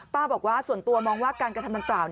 บอกว่าส่วนตัวมองว่าการกระทำดังกล่าว